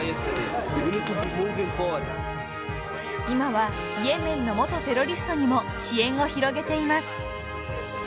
［今はイエメンの元テロリストにも支援を広げています］